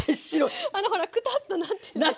あのほらくたっとなってますから。